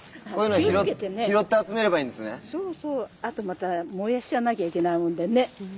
あとまた燃やしちゃわなきゃいけないもんでね。